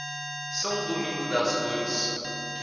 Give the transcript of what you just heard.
São Domingos das Dores